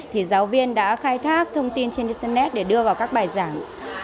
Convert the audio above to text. thì giáo viên đã khai thác thông tin trên internet để đưa vào các bài giảng